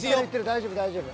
大丈夫大丈夫。